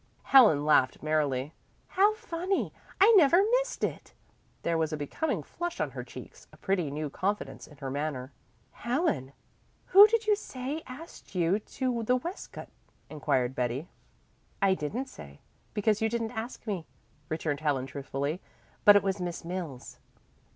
Helen laughed merrily. "How funny! I never missed it!" There was a becoming flush on her cheeks, a pretty new confidence in her manner. "Helen, who did you say asked you to the Westcott?" inquired Betty. "I didn't say, because you didn't ask me," returned Helen truthfully, "but it was Miss Mills."